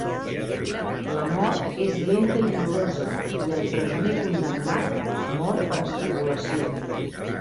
La mort és lenta i dolorosa, i el presoner condemnat mor per estrangulació.